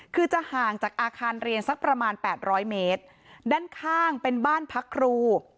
คือจะห่างจากอาคารเรียนสักประมาณแปดร้อยเมตรด้านข้างเป็นบ้านพักครู